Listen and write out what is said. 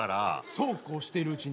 「そうこうしているうちに」。